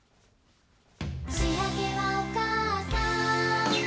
「しあげはおかあさん」